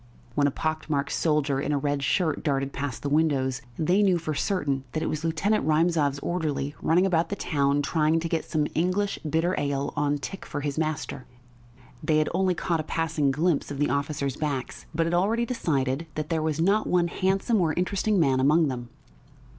When a pock marked soldier in a red shirt darted past the windows, they knew for certain that it was Lieutenant Rymzov's orderly running about the town, trying to get some English bitter ale on tick for his master. They had only caught a passing glimpse of the officers' backs, but had already decided that there was not one handsome or interesting man among them....